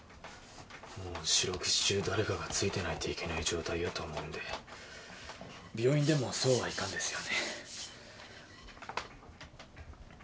もう四六時中誰かがついてないといけない状態やと思うんで病院でもそうはいかんですよね